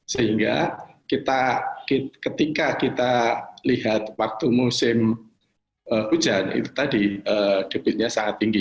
sehingga ketika kita lihat waktu musim hujan itu tadi debitnya sangat tinggi